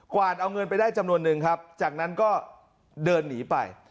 วาดเอาเงินไปได้จำนวนนึงครับจากนั้นก็เดินหนีไป